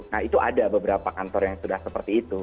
nah itu ada beberapa kantor yang sudah seperti itu